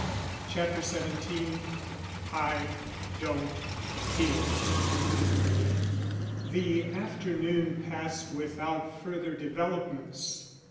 CHAPTER XVII "I DON'T HEAR" The afternoon passed without further developments.